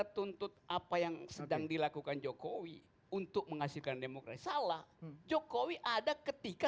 tuntut apa yang sedang dilakukan jokowi untuk menghasilkan demokrasi salah jokowi ada ketika